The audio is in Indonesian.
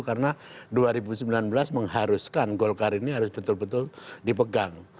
karena dua ribu sembilan belas mengharuskan golkar ini harus betul betul dipegang